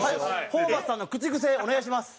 ホーバスさんの口癖お願いします！